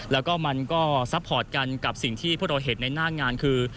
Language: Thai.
แล้วก็มันก็ซัพพอร์ตกันกับสิ่งที่พวกเราเห็นในหน้างานคือ